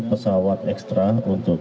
pesawat ekstra untuk